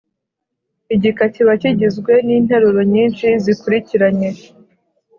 Igika kiba kigizwe n’interuro nyinshi zikurikiranye